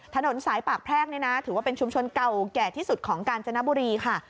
ถนนสายปากแพรกนี่นะถือว่าเป็นชุมชนเก่าแก่ที่สุดของกาญจนบุรีค่ะ